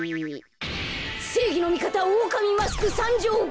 せいぎのみかたオオカミマスクさんじょう。